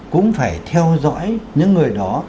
cũng phải theo dõi những người đó